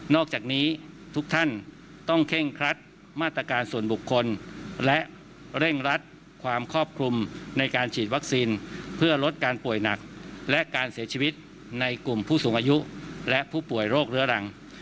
จากนี้ทุกท่านต้องเคร่งครัดมาตรการส่วนบุคคลและเร่งรัดความครอบคลุมในการฉีดวัคซีนเพื่อลดการป่วยหนักและการเสียชีวิตในกลุ่มผู้สูงอายุและผู้ป่วยโรคเรื้อรัง